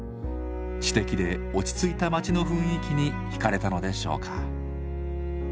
知的で落ち着いた町の雰囲気にひかれたのでしょうか。